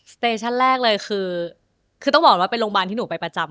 เตชั่นแรกเลยคือคือต้องบอกว่าเป็นโรงพยาบาลที่หนูไปประจำ